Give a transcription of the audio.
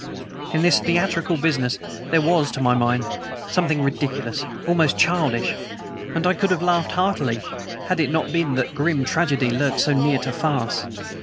In this theatrical business there was, to my mind, something ridiculous almost childish and I could have laughed heartily had it not been that grim tragedy lurked so near to farce.